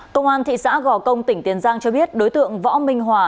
công an thị xã gò công tỉnh tiền giang cho biết đối tượng võ minh hòa